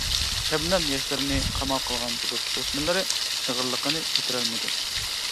شەبنەم ياشلىرىنى قامال قىلغان بۇلۇت توسمىلىرى ئېغىرلىقىنى كۆتۈرەلمىدى.